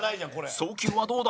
送球はどうだ？